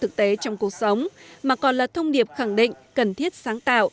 thực tế trong cuộc sống mà còn là thông điệp khẳng định cần thiết sáng tạo